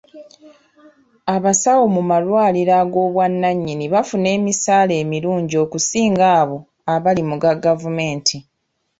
Abasawo mu malwaliro ag'obwannannyini bafuna emisaala emirungi okusinga abo abali mu ga gavumenti.